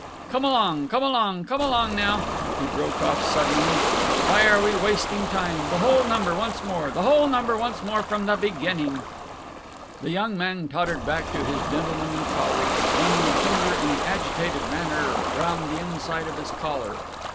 Come along, come along, come along now!" he broke off suddenly. "Why are we wasting time? The whole number once more. The whole number once more from the beginning!" The young man tottered back to his gentlemanly colleagues, running a finger in an agitated manner round the inside of his collar.